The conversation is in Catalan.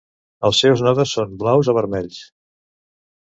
Els seus nodes són blaus o vermells.